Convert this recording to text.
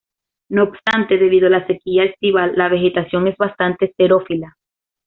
No obstante, debido a la sequía estival, la vegetación es bastante xerófila.